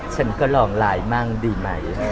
ฉันก็ลองไลน์มั่งดีไหม